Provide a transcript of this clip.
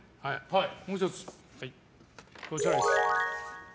もう１つは、こちらです。